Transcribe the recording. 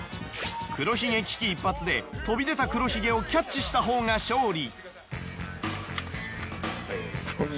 黒ひげ危機一髪で飛び出た黒ひげをキャッチしたほうが勝利。